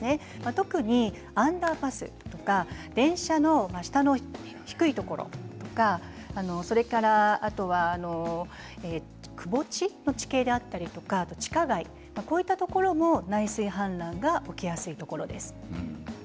特にアンダーパス電車の下の低いところそれからくぼ地の地形であったり地下街、こういったところも内水氾濫が起きやすいところです。